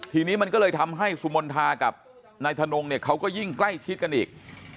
ทีนี้มันก็เลยทำให้สุมนทากับนายทนงเนี่ยเขาก็ยิ่งใกล้ชิดกันอีก